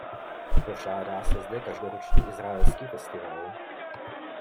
Pořádá se zde každoroční Izraelský festival.